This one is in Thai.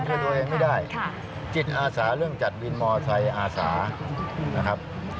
ตัวเองไม่ได้จิตอาสาเรื่องจัดวินมอไซค์อาสานะครับ